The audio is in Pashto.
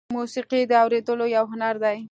موسیقي د اورېدلو یو هنر دی.